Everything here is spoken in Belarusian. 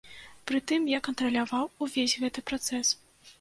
Пры тым я кантраляваў увесь гэты працэс.